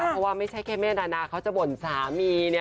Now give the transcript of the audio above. เพราะว่าไม่ใช่แค่แม่นานาเขาจะบ่นสามี